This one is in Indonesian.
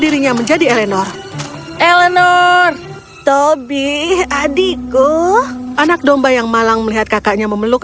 dirinya menjadi eleanor eleanor toby adikku anak domba yang malang melihat kakaknya memeluk